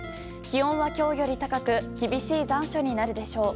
気温は今日より高く厳しい残暑になるでしょう。